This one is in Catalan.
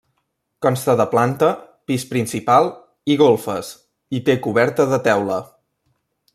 Consta de planta, pis principal i golfes, i té coberta de teula.